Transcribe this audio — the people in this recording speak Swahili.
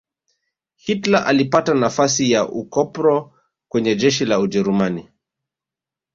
hitler alipata nafasi ya ukopro kwenye jeshi la ujerumani